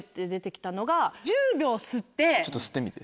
ちょっと吸ってみて。